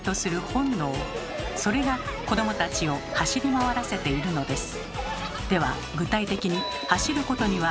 それが子どもたちを走り回らせているのです。